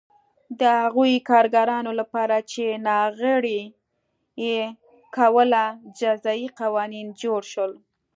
د هغو کارګرانو لپاره چې ناغېړي یې کوله جزايي قوانین جوړ شول